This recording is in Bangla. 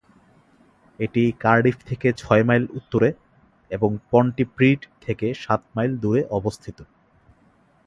এটি কার্ডিফ থেকে ছয় মাইল উত্তরে এবং পন্টিপ্রিড থেকে সাত মাইল দূরে অবস্থিত।